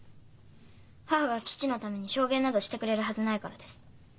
母が父のために証言などしてくれるはずないからです。